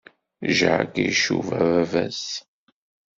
Jack icuba baba-s.